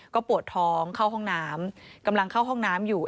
ก็ปวดท้องเข้าห้องน้ำกำลังเข้าห้องน้ำอยู่